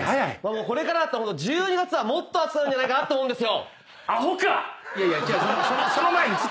これだと１２月はもっと暑いんじゃないかなと思うんです。